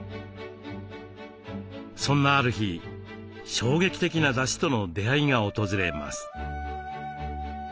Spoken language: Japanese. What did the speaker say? そんなある日衝撃的なだしとの出会いが訪れます。